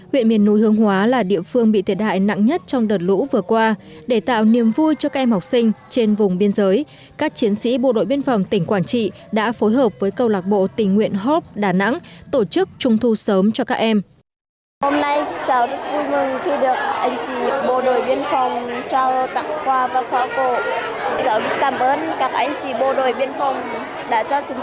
huyện miền núi hương hóa là địa phương bị thiệt hại nặng nhất trong đợt lũ vừa qua để tạo niềm vui cho các em học sinh trên vùng biên giới các chiến sĩ bộ đội biên phòng tỉnh quảng trị đã phối hợp với câu lạc bộ tỉnh nguyện hóp đà nẵng tổ chức trung thu sớm cho các em